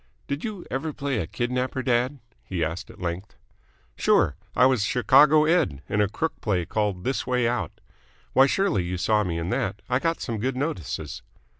"Did you ever play a kidnapper, dad?" he asked at length. "Sure. I was Chicago Ed. in a crook play called 'This Way Out.' Why, surely you saw me in that? I got some good notices."